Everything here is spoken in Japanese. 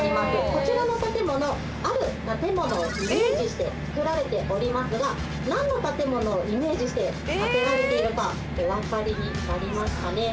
こちらの建物ある建物をイメージして造られておりますが何の建物をイメージして建てられているかお分かりになりますかね？